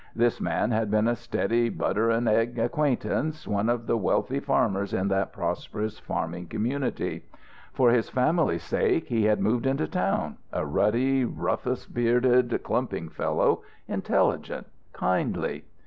This man had been a steady butter and egg acquaintance, one of the wealthy farmers in that prosperous farming community. For his family's sake he had moved into town, a ruddy, rufous bearded, clumping fellow, intelligent, kindly.